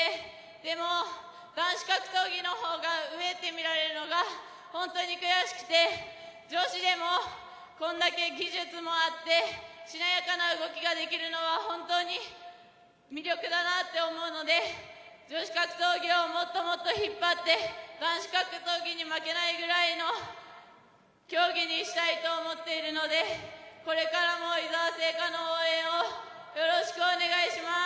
でも、男子格闘技のほうが上って見られるのが本当に悔しくて女子でもこれだけ技術もあってしなやかな動きができるのは魅力だなと思うので女子格闘技をもっともっと引っ張って男子格闘技に負けないくらいの競技にしたいと思っているのでこれからも伊澤星花の応援よろしくお願いします。